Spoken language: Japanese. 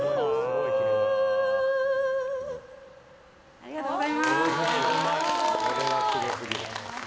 ありがとうございます。